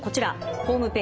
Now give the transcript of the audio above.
ホームページ